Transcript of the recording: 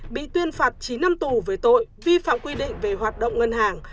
bị tuyên phạt chín năm tù về tội vi phạm quy định về hoạt động ngân hàng